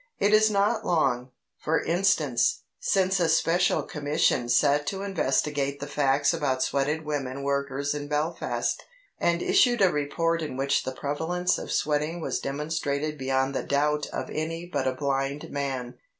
It is not long, for instance, since a Special Commission sat to investigate the facts about sweated women workers in Belfast, and issued a report in which the prevalence of sweating was demonstrated beyond the doubt of any but a blind man.